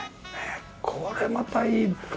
これまたいい！